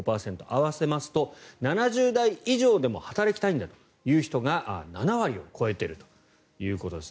合わせますと７０代以上でも働きたいんだという人が７割を超えているということです。